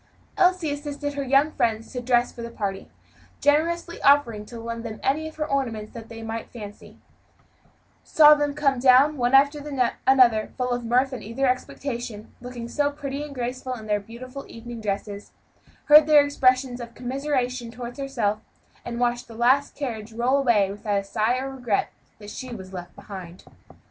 Elsie assisted her young friends to dress for the party generously offering to lend them any of her ornaments that they might fancy saw them come down, one after another, full of mirth and eager expectation, and looking so pretty and graceful in their beautiful evening dresses, heard their expressions of commiseration toward herself, and watched the last carriage roll away without a sigh or regret that she was left behind.